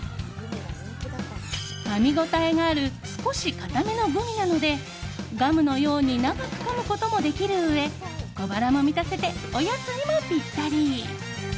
かみ応えがある少し硬めのグミなのでガムのように長くかむこともできるうえ小腹も満たせておやつにもぴったり。